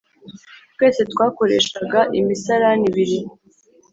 Twese twakoreshaga imisarani ibiri